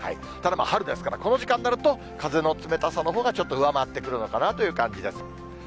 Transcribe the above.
ただ春ですから、この時間になると、風の冷たさのほうがちょっと上回ってくるのかなという感じです。